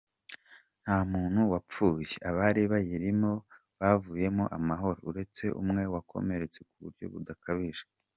Nta muntu wapfuye, abari bayirimo bavuyemo amahoro uretse umwe wakomeretse kuburyo budakabije.